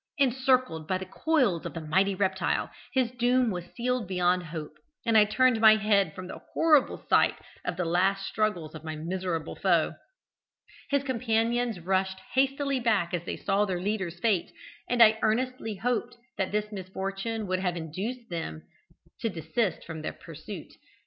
Encircled by the coils of the mighty reptile, his doom was sealed beyond hope, and I turned my head from the horrible sight of the last struggles of my miserable foe. His companions rushed hastily back as they saw their leader's fate, and I earnestly hoped that this misfortune would have induced them to desist from their pursuit.